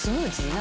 何？